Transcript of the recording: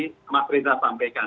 sama riza sampaikan